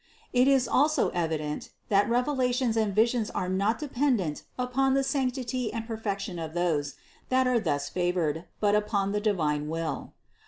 It is also evident, that revelations and visions are not dependent upon the sanctity and perfection of those, that are thus favored, but upon the divine will.